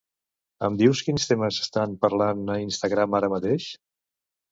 Em dius quins temes s'estan parlant a Instagram ara mateix?